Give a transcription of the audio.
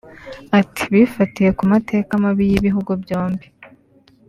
Ati "Bifatiye ku mateka mabi y’ibihugu byombi